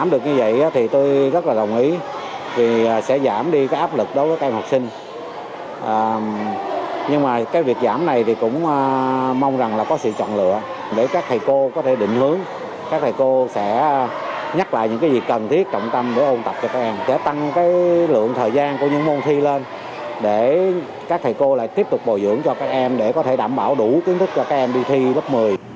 để các thầy cô lại tiếp tục bồi dưỡng cho các em để có thể đảm bảo đủ kiến thức cho các em đi thi lớp một mươi